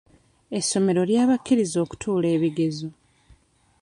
Essomero lya bakkiriza okutuula ebigezo.